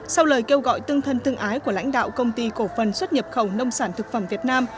sau lời kêu gọi tương thân tương ái của lãnh đạo công ty cổ phần xuất nhập khẩu nông sản thực phẩm việt nam